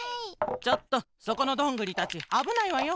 ちょっとそこのどんぐりたちあぶないわよ。